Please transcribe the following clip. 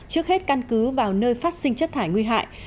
căn cứ vào nơi phát sinh chất thải nguy hại